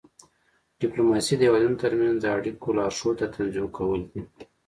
ډیپلوماسي د هیوادونو ترمنځ د اړیکو لارښود او تنظیم کول دي